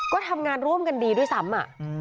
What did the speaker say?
ก็ทำงานร่วมกันดีด้วยซ้ำ